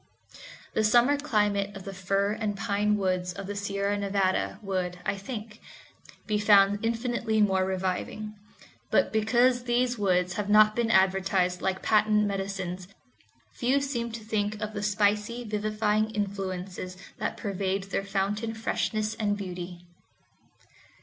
The summer climate of the fir and pine woods of the Sierra Nevada would, I think, be found infinitely more reviving; but because these woods have not been advertised like patent medicines, few seem to think of the spicy, vivifying influences that pervade their fountain freshness and beauty.